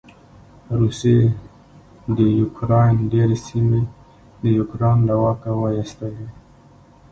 روسې د يوکراین ډېرې سېمې د یوکراين له واکه واېستلې.